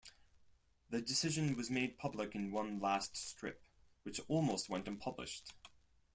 The decision was made public in one last strip, which almost went unpublished.